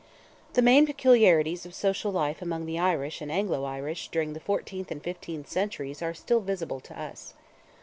The main peculiarities of social life among the Irish and Anglo Irish during the fourteenth and fifteenth centuries are still visible to us.